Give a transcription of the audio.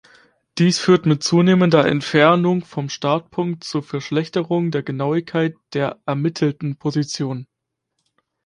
Dies führt mit zunehmender Entfernung vom Startpunkt zur Verschlechterung der Genauigkeit der ermittelten Position.